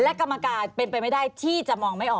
และกรรมการเป็นไปไม่ได้ที่จะมองไม่ออก